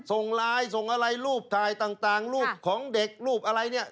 ส่งไลน์ส่งอะไรรูปถ่ายต่างรูปของเด็กรูปอะไรเนี่ย